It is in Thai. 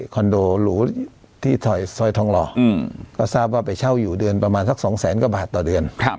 ก็ทราบว่าไปเช่าอยู่เดือนประมาณสักสองแสนกว่าบาทต่อเดือน